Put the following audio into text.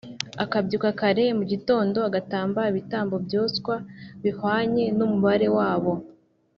akabyuka kare mu gitondo agatamba ibitambo byoswa bihwanye n’umubare wabo,